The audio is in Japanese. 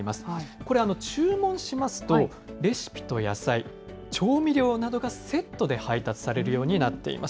これ、注文しますと、レシピと野菜、調味料などがセットで配達されるようになっています。